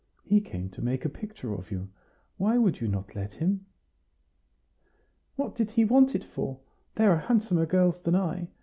"He came to make a picture of you. Why would you not let him?" "What did he want it for? There are handsomer girls than I.